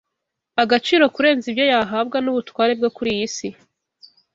agaciro kurenza ibyo yahabwa n’ubutware bwo kuri iyi si,